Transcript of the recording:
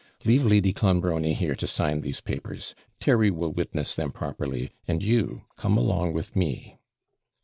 Leave Lady Clonbrony here to sign these papers. Terry will witness them properly, and you come along with me.'